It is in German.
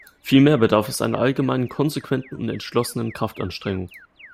Vielmehr bedarf es einer allgemeinen, konsequenten und entschlossenen Kraftanstrengung.